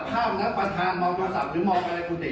คุณสุภาพจากภาพนักประธานมองโทษศัพท์หรือมองอะไรคุณเด๋